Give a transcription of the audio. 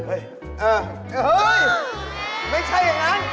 เฮ้ยไม่ใช่อย่างนั้น